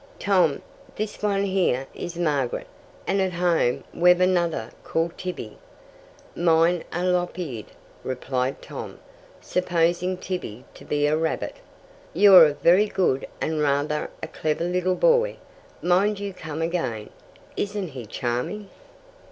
"Tom, this one here is Margaret. And at home we've another called Tibby." "Mine are lop eared," replied Tom, supposing Tibby to be a rabbit. "You're a very good and rather a clever little boy. Mind you come again. Isn't he charming?"